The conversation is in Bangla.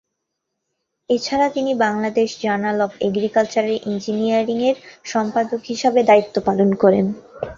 এছাড়া তিনি Bangladesh journal of agricultural engineering এর সম্পাদক হিসেবে দায়িত্ব পালন করেন।